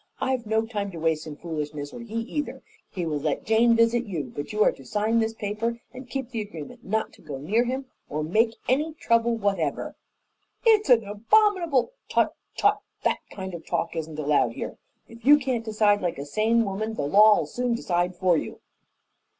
I've no time to waste in foolishness, or he either. He will let Jane visit you, but you are to sign this paper and keep the agreement not to go near him or make any trouble whatever." "It's an abominable " "Tut! Tut! That kind of talk isn't allowed here. If you can't decide like a sane woman the law'll soon decide for you."